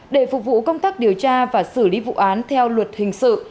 để phục vụ công tác điều tra và xử lý vụ án theo luật hình sự